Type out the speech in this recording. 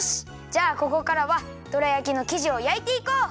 じゃあここからはどら焼きのきじをやいていこう！